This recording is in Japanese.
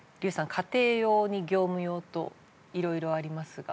家庭用に業務用といろいろありますが。